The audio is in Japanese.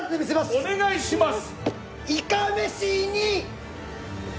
お願いします！